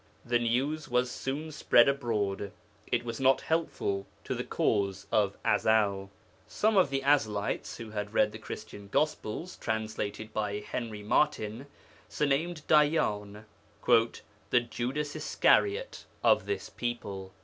The news was soon spread abroad; it was not helpful to the cause of Ezel. Some of the Ezelites, who had read the Christian Gospels (translated by Henry Martyn), surnamed Dayyan 'the Judas Iscariot of this people.'